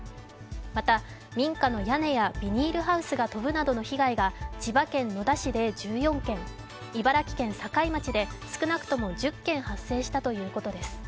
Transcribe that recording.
また、民家の屋根やビニールハウスが飛ぶなどの被害が千葉県野田市で１４件、茨城県境町で少なくとも１０件発生したということです。